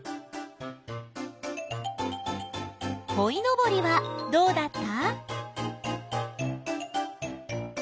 こいのぼりはどうだった？